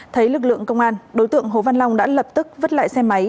thấy lực lượng công an đối tượng hồ văn long đã lập tức vứt lại xe máy